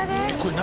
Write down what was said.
何？